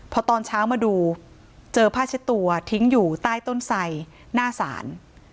พอตอนเช้ามาดูเจอผ้าเช็ดตัวทิ้งอยู่ใต้ต้นไสหน้าศาล